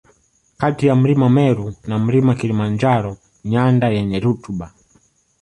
Kati ya mlima Meru na Mlima Kilimanjaro nyanda yenye rutuba